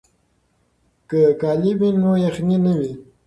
که کالي وي نو یخنۍ نه وي.